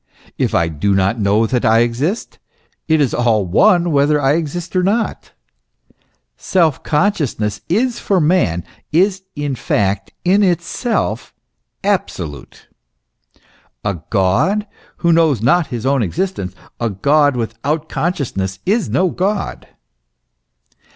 If I do not know that I exist, it is all one whether I exist or not. Self consciousness is for man is, in fact, in itself absolute. A God who knows not his own existence, a God without consciousness, is no God.